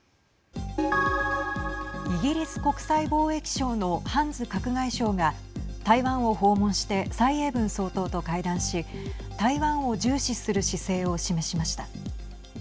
イギリス国際貿易省のハンズ閣外相が台湾を訪問して蔡英文総統と会談し台湾を重視する姿勢を示しました。